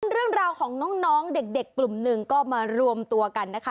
เรื่องราวของน้องเด็กกลุ่มหนึ่งก็มารวมตัวกันนะคะ